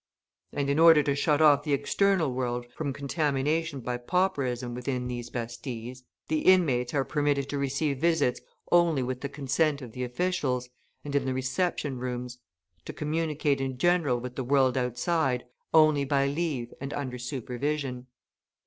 And in order to shut off the external world from contamination by pauperism within these bastilles, the inmates are permitted to receive visits only with the consent of the officials, and in the reception rooms; to communicate in general with the world outside only by leave and under supervision.